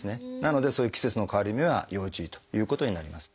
なのでそういう季節の変わり目は要注意ということになります。